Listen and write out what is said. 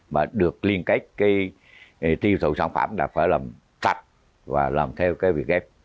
và được liên kết tiêu thụ sản phẩm đã phải làm sạch và làm theo cái việc ghép